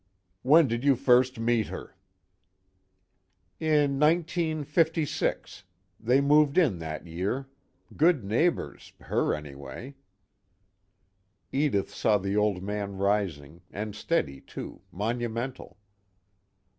"When did you first meet her?" "In 1956. They moved in that year. Good neighbors, her anyway." Edith saw the Old Man rising, and steady too, monumental.